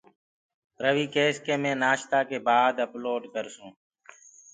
رويٚ ڪيس مي نآشتآ ڪي بآد اپلوڊ ڪرسونٚ